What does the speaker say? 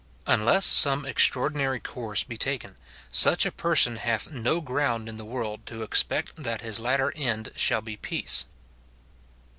Unless some extraordinary course be taken, such a person hath no ground in the world to expect that his latter end shall be peace.